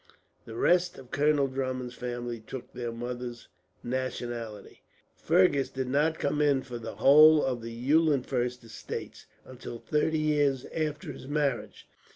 The rest of Colonel Drummond's family took their mother's nationality. Fergus did not come in for the whole of the Eulenfurst estates, until thirty years after his marriage.